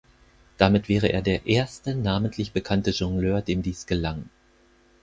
Damit wäre er der "erste" namentlich bekannte Jongleur, dem dies gelang.